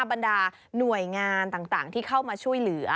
บรรดาหน่วยงานต่างที่เข้ามาช่วยเหลือ